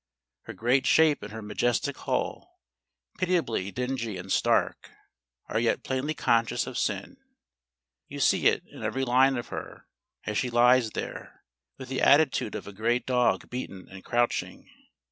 Her great shape and her majestic hull, pitiably dingy and stark, are yet plainly conscious of sin. You see it in every line of her as she lies there, with the attitude of a great dog beaten and crouching.